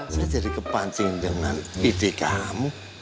saya jadi kepancing dengan ide kamu